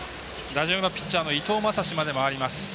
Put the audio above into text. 打順はピッチャーの伊藤将司まで回ります。